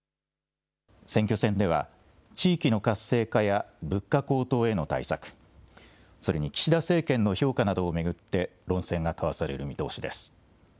選挙戦では地域の活性化や物価高騰への対策、それに岸田政権の評価などを巡って論戦が交わされる見通しです。